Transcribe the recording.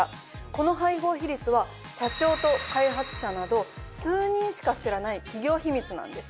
この配合比率は社長と開発者など数人しか知らない企業秘密なんです。